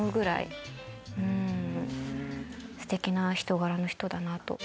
ステキな人柄の人だなと。